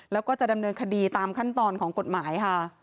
แล้วก็จะดำเนินคดีตามขั้นตอนของกฎหมายค่ะ